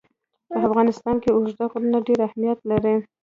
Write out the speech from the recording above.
په افغانستان کې اوږده غرونه ډېر اهمیت لري.